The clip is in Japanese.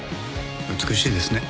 美しいですね。